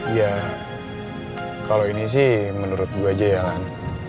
ya kalau ini sih menurut gue aja ya kan